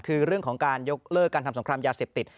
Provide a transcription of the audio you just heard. คือเรื่องของการยกเลิกการทำสงครามยาเสพติด